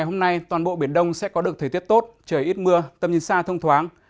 hôm nay toàn bộ biển đông sẽ có được thời tiết tốt trời ít mưa tầm nhìn xa thông thoáng